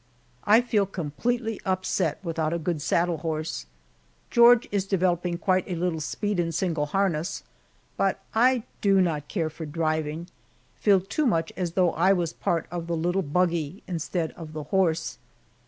I feel completely upset without a good saddle horse. George is developing quite a little speed in single harness, but I do not care for driving feel too much as though I was part of the little buggy instead of the horse.